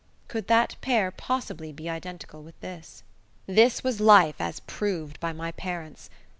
Could that pair possibly be identical with this? This was life as proved by my parents!